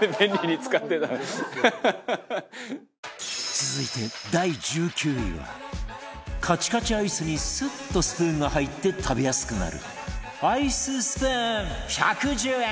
続いて第１９位はカチカチアイスにスッとスプーンが入って食べやすくなるアイススプーン１１０円